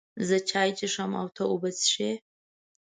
زه چای څښم او ته اوبه څښې